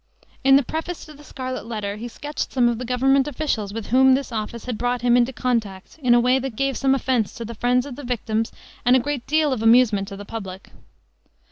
In the preface to the Scarlet Letter he sketched some of the government officials with whom this office had brought him into contact in a way that gave some offense to the friends of the victims and a great deal of amusement to the public.